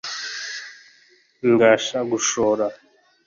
Ngasha gushora